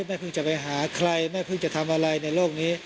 แม่เพิ่งจะไปหาใครแม่เพิ่งจะทำอะไรในโลกนี้